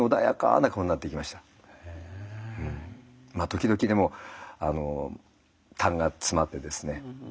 時々でもたんが詰まってですね